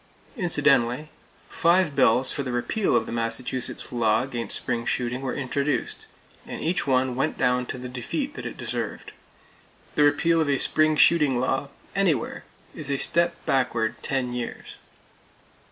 Incidentally, five bills for the repeal of the Massachusetts law against spring shooting were introduced, and each one went down to the defeat that it deserved. The repeal of a spring shooting law, anywhere, is a step backward ten years!